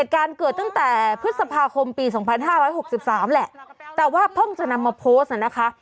การเกิดตั้งแต่พฤษภาคมปี๒๕๖๓แหละแต่ว่าเพิ่งจะนำมาโพสต์น่ะนะคะ